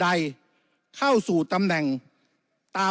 วุฒิสภาจะเขียนไว้ในข้อที่๓๐